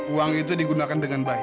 uang itu digunakan dengan baik